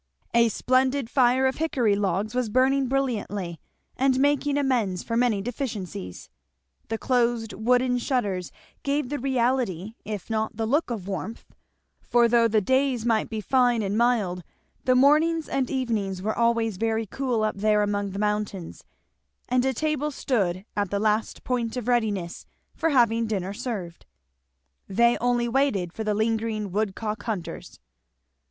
A splendid fire of hickory logs was burning brilliantly and making amends for many deficiencies; the closed wooden shutters gave the reality if not the look of warmth, for though the days might be fine and mild the mornings and evenings were always very cool up there among the mountains; and a table stood at the last point of readiness for having dinner served. They only waited for the lingering woodcock hunters.